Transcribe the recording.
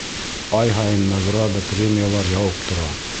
Ай һайын награда, премиялар яуып тора.